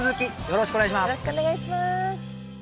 よろしくお願いします。